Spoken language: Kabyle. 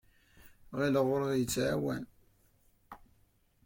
Ɣileɣ ur aɣ-yettɛawan.